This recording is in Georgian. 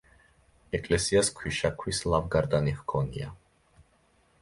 ეკლესიას ქვიშაქვის ლავგარდანი ჰქონია.